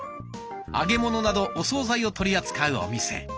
揚げ物などお総菜を取り扱うお店。